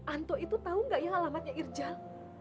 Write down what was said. anto itu tau gak ya alamatnya irzal